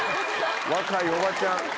若いおばちゃん。